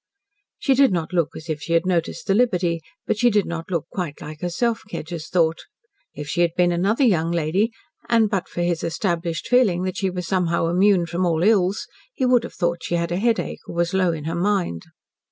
She did not look as if she had noticed the liberty, but she did not look quite like herself, Kedgers thought. If she had been another young lady, and but for his established feeling that she was somehow immune from all ills, he would have thought she had a headache, or was low in her mind.